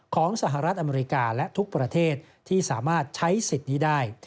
สหรัฐอเมริกาและทุกประเทศที่สามารถใช้สิทธิ์นี้ได้